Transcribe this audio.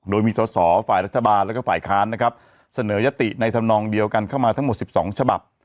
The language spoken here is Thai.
โดยมีสอสอฝ่ายรัฐบาลแล้วก็ฝ่ายค้านนะครับเสนอยติในธรรมนองเดียวกันเข้ามาทั้งหมด๑๒ฉบับ